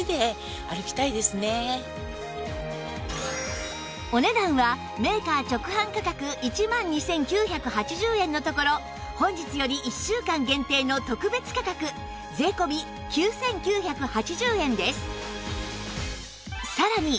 さらにお値段はメーカー直販価格１万２９８０円のところ本日より１週間限定の特別価格税込９９８０円です